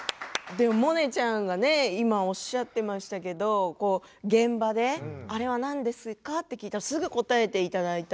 萌音ちゃんが今おっしゃってましたけれども現場であれは何ですか？と聞いたらすぐに答えていただいた。